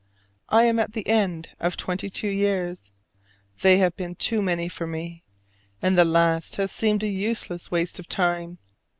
I am at the end of twenty two years: they have been too many for me, and the last has seemed a useless waste of time.